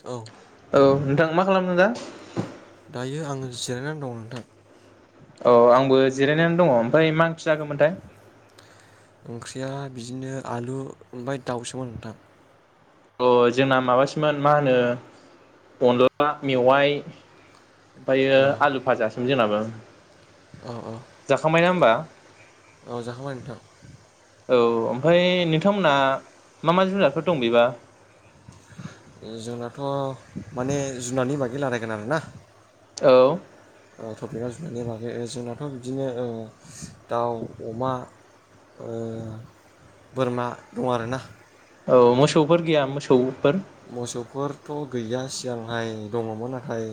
औ औ नोंथां मा खालामदों दा दायो आङो जिरायनानै दं नोंथां औ आंबो जिरायनानै दङ ओमफ्राय मानसि जाखोमोनथाय ओंख्रिया बिदिनो आलु ओमफ्राय दाउसोमोन नोंथां अ जोंना माबासोमोन मा होनो अनला मेवाइ ओमफ्रायो ओ आलु भाजासोमोन जोंनाबो औ औ जाखांबायना होमबा औ जाखांबाय नोंथां औ ओमफ्राय नोंथांमोनहा मा मा जुनारफोर दं बेबा जोंनाथ माने जुनारनि बागै रायलायगोन आरोना औ [unintelligible] जुनारनि बागै जोंनाथ बिदिनो दाउ अमा बोरमा दं आरोना औ मोसौफोर [unintelligible] मोसौफोरथ गैया सिगांहाय दङमोन नाथाय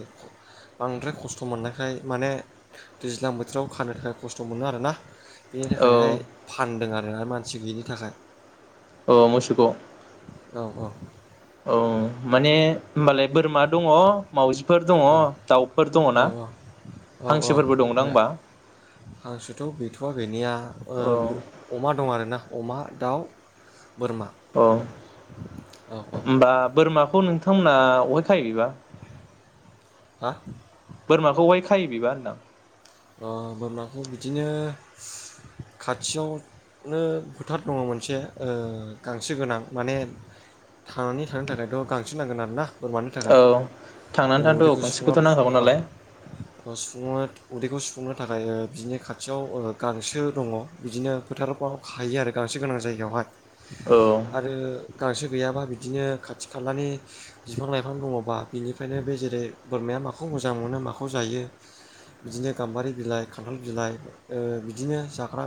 बांद्राय खस्थ मोननायखाय माने दैज्लां बोथोराव खानो थाखाय खस्थ मोनो आरोना बेनि औ थाखायहाय फानदों आ -मानसि गैयिनि थाखाय अ मोसौखौ औ औ माने होनबालाय बोरमा दङ मावाउजिफोर दङ दाउफोर दङ ना औ हांसोफोरबो दंना ओमफ्राय होनबा हांसोथ' गैथ'वा गैनाया ओ औ बो- अमा दं आरोना अमा दाउ बोरमा औ औ औ होमबा बोरमा थ नोंथांमोना अहाय खायो बेबा? हा? बोरमाखौ बहाय खायो बिबा होनदों आं। ओ बोरमाखौ बिदिनो खाथियावनो फोथार दङ मोनसे ओ गांसो गोनां माने थांनानै थानो थाखायथ गांसो नांगोन आरोना। बोरमानि थाखाय औ ओ थांनानै थानोथ' औ उदैखौ गांसोखौथ' नांखागौ नालाय [unintelligible] अ [unintelligible] बेखौ सुफुंनो थाखाय ओ बिदिनि खाथियाव ओ गांसो दङ बिदिनो फोथारफ्राव खायो आरो गांसो गोनां जायगायावहाय। औ आरो गांसो गैयाबा बिदिनो खाथि खालानि बिफां लाइफां दङबा बिनिफ्रायनो बे जेरै बोरमाया माखौ मोजां मोनो माखौ जायो। बिदिनो गाम्बारि बिलाइ खान्थाल बिलाइ ओ बिदिनो जाग्रा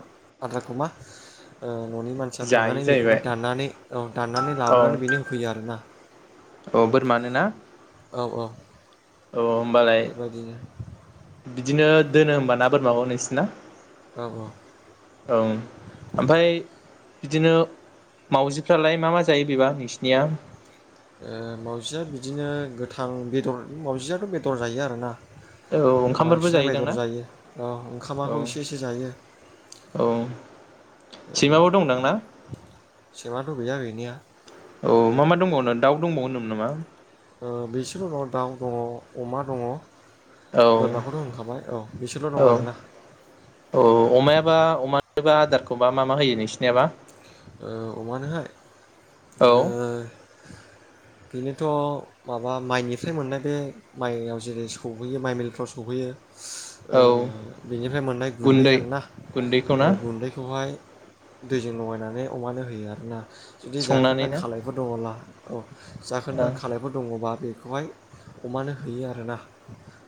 आदारखौ मा ओ न'नि मानसिया जायो थांनानै जाहैबाय बेखौनो दाननानै औ दाननानै लाबोनानै बेनो होफैयो आरो ना। अ बोरमानो ना? [unintelligible] औ होमबालाय बेबायदिनो बिदिनो दोनो होमबा ना बोरमाखौ नोंसिना? औ ओ ओं ओमफाय बिदिनो मावजिफ्रालाय मा मा जायो बेबा नोंसिनिया? ओ मावजिया बिदिनो गोथां बेदर मावजियाथ' बेदर जायो आरोना। औ ओंखामफोरबो बांसिना जायोदां बेदर ना जायो औ ओंखामाबो औ एसे एसे जायो औ ओ सैमाबो दंदां ना सैमाथ' गैया गैनाया। औ मा मा दंबावनो दाउ दंबावो होनदोंमोन नामा? ओ बिसोरबो दङ दाउ दङ अमा दङ। औ बोरमाखौथ' होनखाबाय औ बिसोरल' दं औ आरोना औ अमायाबा अमानोबा आदारखौबा मा मा होयो नों सिनियाबा। ओ अमानोहाय औ ओ बेनोथ' माबा माइनिफ्राय मोननाय बे मायाव जेरै सौहैयो माइ मिलफ्राव सौहैयो। ओ औ बेनिफ्राय मोननाय गुन्दै आरोना गुन्दैखौ ओ ना गुन्दैखौहाय दैजों लगायना। माने अमानो होयो आरो ना। जुदि संनानै जाखोन्दा ना खालायफोर दङब्ला। औ। औ जाखोन्दा खालायफोर दङबा बेखौहाय अमानो हैयो आरोना।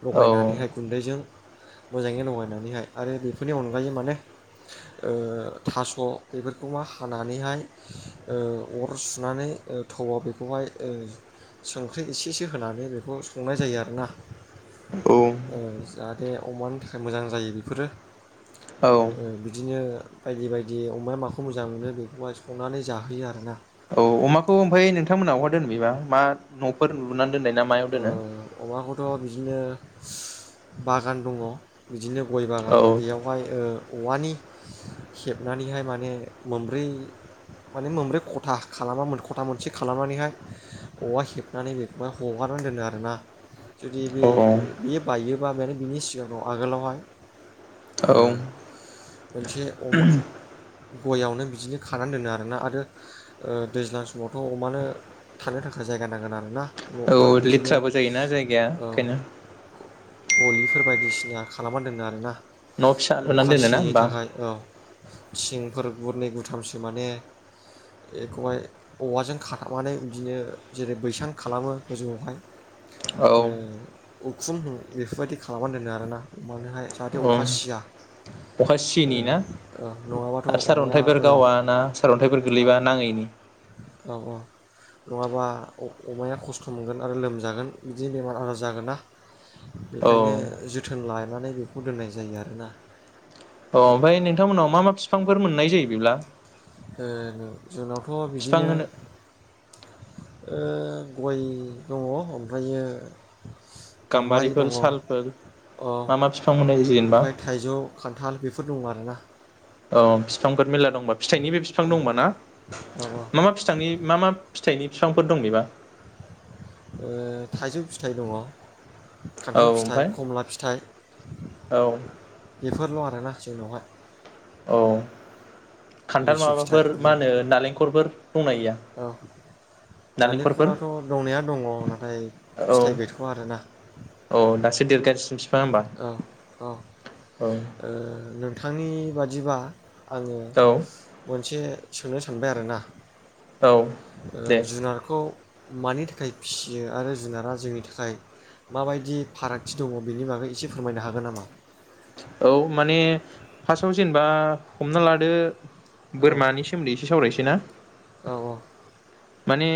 लगायनानैहाय औ गुन्दैजों। मोजाङै लगायनानैहाय आरो बेफोरनि अनगायै माने ओ थास' बेफोर खौ मा हानानैहाय ओ अर सुनानै थौआव बेखौहाय ओ संख्रि एसेसो होनानै बेखौ संनाय जायो आरोना। ओ जा बे अमानि थाखाय मोजां जायो बेफोरो। औ ओ बिदिनो बायदि बायदि अमाया मा खौ मोजां मोनो बेखौहाय संनानै जाहोयो आरो ना औ अमाखौ ओमफाय नोंथांमोना अहा दोनो बेबा मा न'फोर लुनानै दोननाय ना मायाव दोनो ओ अमाखौथ' बिदिनो बागान दङ बिदिनो गय बागान औ बेयावहाय ओ औवानि हेबनानैहाय माने मोनब्रै माने मोनब्रै खथा खालामा खथा मोनसे खालामनानैहाय औवा हेबनानै बेखौ हगारनानै दोनो आरो ना जुदि बे औ बियो बायगोन बा बेनो बिनि सिगाङाव आगोलावहाय ओ औ मोनसे अमा गयावनो बिदिनो खानानै दोनो आरोना आरो ओ दैज्लां समावथ' अमानो थानो थाखाय जायगा नांगोन आरो ना औ लेथ्राबो जायोना जायगाया औ ओंखायनो गलिफोर बायदिसिना खालामना दोनो आरो ना न' फिसा लुनानै अखा दोनो ना सियैनि होमबा थाखाय औ थिंफोर गुरनै गुथामसो माने एखौहाइ औवाजो गोजौआवहाय औ ओ उखुम बेफोरबायदि खालामनानै दोनो आरोना अमानोहाय जाहाथे औ अखा सिया अखा ओ सियैनि ना ओ नङाबाथ' आरो अमाया सारअन्थाइफोर ओ गावा ना सारअन्थाइफोर ओ गोलैबा नाङैनि औ औ नङाबा अ-अमाया खस्थ' खस्थ' मोनगोन आरो लोमजागोन बिदिनो बेमार आजार जागोना औ बेखायनो जोथोन लानानै बेखौ दोननाय जायो आरो ना अ ओमफ्राय नोंथांमोननाव मा मा फिफांफोर मोननाय जायो बिब्ला ओ जोंनाव थ' बिफां बिदिनो होनो ओ गय दङ ओमफ्रायो गाम्बारि गाम्बारिफोर दङ औ सालफोर मा मा बिफां मोननाय जायो जेनेबा ओमफाय थाइजौ खान्थाल बेफोर दङ आ [unintelligible] अ बिफांफोर मेरला दंबा फिथाइनि बे बिफां औ दंबा ना औ औ मा मा फिथांनि मा मा फिथाइनि फिफांफोर दं बेबा ओ थाइजौ फिथाइ दङ औ खान्थाल फिथाइ ओमफ्राय खमला फिथाइ औ बेफोरल' आरो ना जोंनावहा औ खान्थाल लिसु फिथाइ माबाफोर आरो मा होनो नालेंखलफोर दंना गैया औ नालेंखरफोर नालेंखरालथ' दंनाया दंङ नाथाय औ फिथाइ गैथ'वा आरोना औ दासो देरगासिनो बिफाङा होमबा औ औ ओ औ नों थां बादिबा आंङो औ मोनसे सोनो सानबाय आरोना औ ओ दे जुनारखौ मानि थाखाय फिसियो आरो जुनारा जोंनि थाखाय माबायदि फारागथि दंङ बेनि बागै एसे फोरमायनो हागोन नामा औ माने फार्स्टआव जेनेबा हमना लादो औ बोरमानि सोमोन्दै एसे सावरायसै ना औ माने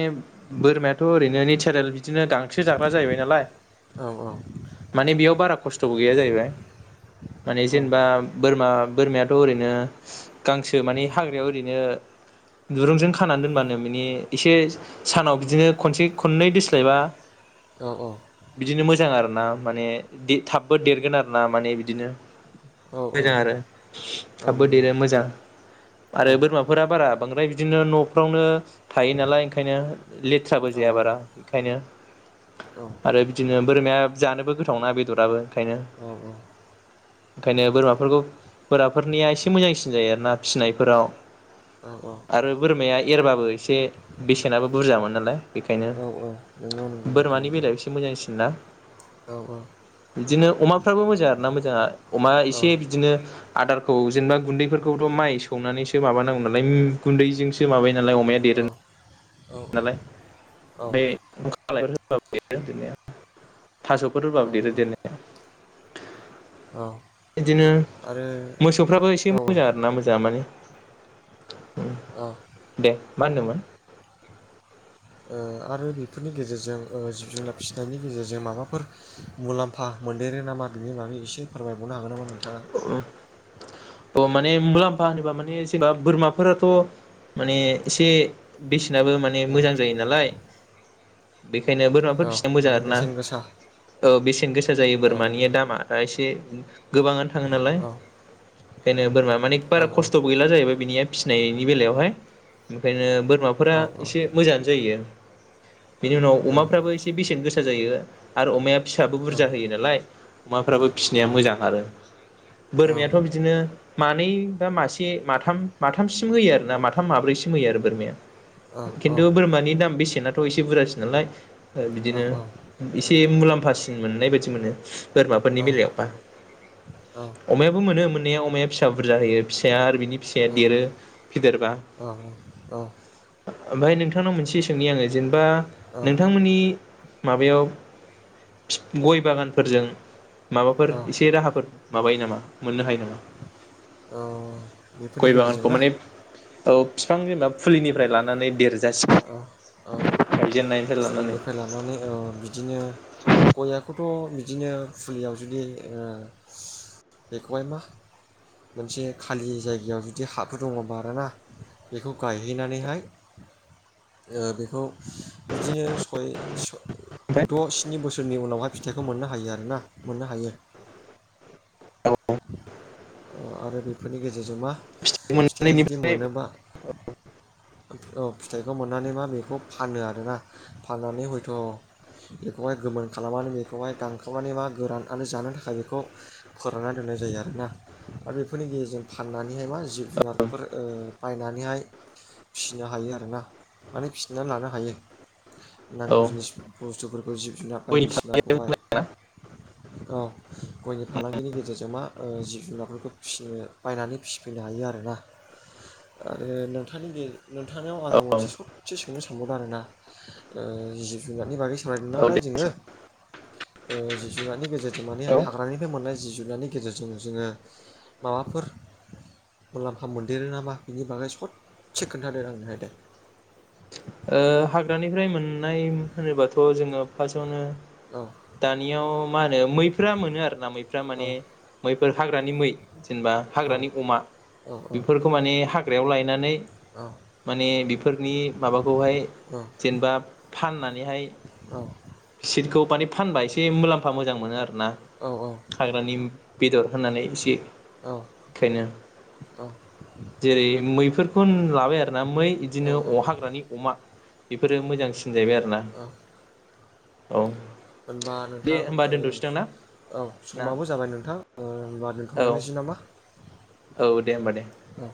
बोरमायाथ' ओरैनो नेचारेल बिदिनो गांसो जाग्रा जाहैबाय नालाय औ औ माने बेयाव बारा खस्थबो गैया जाहैबाय माने औ जेनेबा बोरमा बोरमायाथ ओरैनो गांसो माने हाग्रायाव ओरैनो दुरुंजों खानानै दोनबानो मिनि एसे सानाव बिदिनो खनसे खननै दोस्लायबा औ औ ना माने थाबबो देरगोन आरो ना माने बिदिनो औ मोजां आरो औ थाबबो नंगौ देरो मोजां औ आरो बोरमाफोरा बारा बांद्राय बिदिनो नफ्रावनो थायो नालाय ओंखायनो लेथ्राबो औ जाया बारा ओंखायनो औ आरो बिदिनो बोरमाया जानोबो गोथाव ना बेदराबो ओंखायनो औ औ ओंखायनो बोरमाफोरखौ बोराफोरनिया एसे मोजांसिन जायो आरोना फिसिनायफोराव औ आरो बोरमाया एरबाबो एसे ए बेसेनाबो बुरजामोन नालाय बेखायनो औ औ नंगौ नंगौ नोंथां बोरमानि नंगौ बेलायाव एसे मोजांसिनना औ बिदिनो अमाफ्राबो मोजां आरोना मोजाङा अमा औ एसे बिदिनो आदारखौ औ जेनेबा गुन्दैफोरखौथ माइ सौनानैसो माबानांगौ नालाय गुन्दैजोंसो माबायो नालाय अमाया देर औ औ नालाय औ [unintelligible] थासफोर औ होबाबो देरो देरनाया औ [inaudible] बिदिनो आरो मोसौफ्राबो एसे औ मोजां आरोना मोजांङा माने औ ओ दे मा होनदोमोन? ओ आरो बेफोरनि गेजेरजों ओ जिब जुनार फिसिनायनि गेजेरजों माबाफोर मुलाम्फा मोनदेरो नामा बेनि बागै एसे फोरमायबावनो हागोन नामा नों [unintelligible] त माने मुलाम्फा होनोबा माने जेनबा बोरमाफोराथ माने एसे बेसे बिसिनाबो माने औ मोजां जायो नालाय बेखायनो बोरमाफोर औ फिसिनो मोजां माने आरोना बेसेन गोसा ओ बेसेन गोसा जायो औ बोरमानि दामा दा एसे गोबाङानो थाङो नालाय औ बेखायनो बोरमा मानिे औ बारा खस्थबो गैला जाहैबाय बेनिया फिसिनायनि बेलायावहाय बिनिखायनो बोरमाफोरा औ एसे मोजांआनो जायो। बेनिउनाव औ अमाफ्राबो एसे बेसेन गोसा जायो आरो अमाया फिसाबो औ बुरजा होयो नालाय अमाफ्राबो फिसिनाया मोजां आरो। बोरमायाथ बिदिनो मानै बा मासे माथाम माथामसिम होयो आरोना माथाम माब्रैसिम होयो आरो बोरमाया औ खिन्थु बोरमानि दाम बेसेना थाव एसे बुरजासि नालाय औ बिदिनो एसे मुलाम्फा बुरजासिन मोननाय बायदि मोनो। बोरमाफोरनि बेलायावबा अमायाबो मोनो मोननाया अमाया फिसा बुरजा होयो फिसाया आरो बिनि फिसाया देरो फिदेरबा ओमफ्राय नोंथांनाव मोनसे सोंनि आङो‌ जेने दा नोंथांमोननि माबायाव गय बागानफोरजों माबाफोर औ एसे राहाफोर माबायो नामा मोननो हायो नामा? औ बेफोरनि गय गेजेरजों बागानखौ ना माने औ बिफां बिमा फुलिनिफ्राय लानानै देर औ औ लानानै फुलिनिफ्राय लानानै औ बिदिनो गया बेखौथ' बिदिनो फुलियाव जुदि ओ बेखौहाय मा मोनसे खालि जायगायाव जुदि हाफोर दङ बाराना बेखौ गायहैनानैहाय ओ बेखौ बिदिनो सय स ओमफ्राय द' स्नि बोसोरनि उनावहाय फिथाइखौ मोननो हायो आ रोना, मोननो हायो। औ ओ आरो बेफोरनि गेजेरजों मा फिथाइया जुदि मोनोबा [unintelligible] औ फिथाइखौ मोननानै मा बेखौ फानो आरोना, फाननानै हयथ' बेखौहाय गोमोन खालामनानै बेखौहाय दानखावनानै मा गोरान आनो जानो थाखाय बेखौ फोरानना दोननाय जायो आरोना। दा बेफोरनि गेजेरजों फाननानैहाय मा जिब जुनारफोर ओ बायनानैहाय फिसिनो हायो आरोना, माने फिसिनानै लानो हायो। नांगौ जिनिस बुस्थुफोर खौ जिब जुनार गयनि फालांगियाबो बायदिसिनाखौहाय मोजां औ। गयनि ना फालांगिनि गेजेरजों मा ओ जि जुनारफोरखौ फिसिनो बायनानै फिसिफैनो हायो आरोना। आरो नोंथांनि नोंथांनाव औ आङो मोनसे सस्से सोंनो सानबावदों आरोना। ओ जिब जुनारनि बागै सोलायदों औ नालाय दे जोङो, ओ जिब जुनारनि गेजेरजों माने हेलौ ओ हाग्रानिफ्राय मोननाय जिब जुनारनि गेजेरजों जोङो माबाफोर मुलाम्फा मोनदेरो नामा बेनि बागै सच्छे खोन्थादो आंनोहाय दे। ओ हाग्रानिफ्राय मोननाय होनोबाथ' जोङो फासावनो औ दानियाव मा होनो मैफ्रा मोनो आरोना मैफ्रा औ माने मैफोर हाग्रानि मै। जेनबा औ हाग्रानि अमा औ बिफोरखौ माने हा ग्रायाव लायनानै औ माने बिफोरनि माबाखौहाय औ जेनबा फानना नैहाय औ सिटखौ माने फानबा एसे मुलाम्फा मोजां मोनो आरोना। औ हाग्रानि बेदर होननानै एसे औ खायनो जेरै मैफोरखौ लाबाय आरो। ना मै औ इदिनो अ हाग्रानि अमा। बेफोरो मोजांसि जाहैबाय आरोना। औ औ। होनबा दे नोंथां होमबा ओ दोनथ'सैदां ना औ ना समाबो जाबाय नोंथां ओ होनबा औ दोनथ'लायनोसै नामा? औ दे होमबा दे। औ